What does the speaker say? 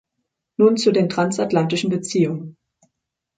Nun zu den transatlantischen Beziehungen.